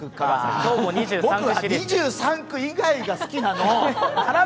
僕は２３区以外が好きなの。